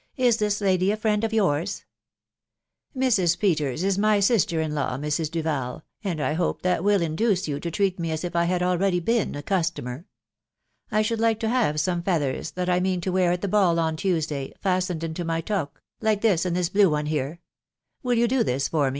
Is this lady a friend of yours ?"" Mrs. Peters is my sister in law, Mrs. Duval, and I hope that will induce you to treat me as if I had. already been a customer. I should like to have some feathers, that I mean to wear at the ball on Tuesday, fastened into my toque, like these in this blue one here. Will you do this for.